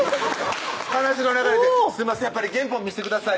話の流れで「すいませんやっぱり原本見せてください」